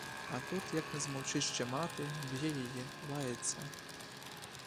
А тут як не змовчить ще мати, — б'є її, лається.